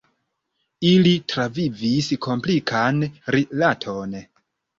Ili travivis komplikan rilaton.